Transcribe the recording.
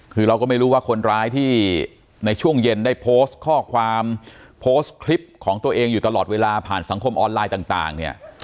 คือเราก็ไม่รู้ว่าคนร้ายที่ในช่วงเย็นได้โพสต์ข้อความโพสต์คลิปของตัวเองอยู่ตลอดเวลาผ่านสังคมออนไลน์ต่างเนี่ย